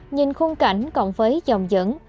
nhìn khung cảnh còn vấy dòng dẫn